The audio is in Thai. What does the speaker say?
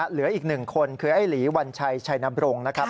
เหลืออีก๑คนคือไอ้หลีวัญชัยชัยนบรงค์นะครับ